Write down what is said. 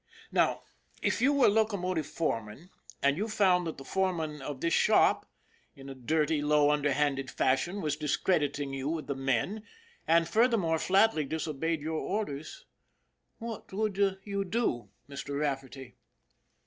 Now, if you were locomotive foreman and you found that the foreman of this shop, in a dirty, low, underhanded fashion was discrediting you with the men, and furthermore flatly disobeyed your orders, what would you do, Mr. Rafferty?"